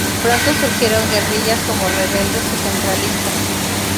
Pronto surgieron guerrillas, como rebeldes o centralistas.